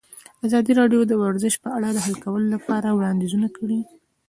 ازادي راډیو د ورزش په اړه د حل کولو لپاره وړاندیزونه کړي.